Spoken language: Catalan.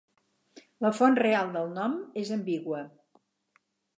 La font real del nom és ambigua.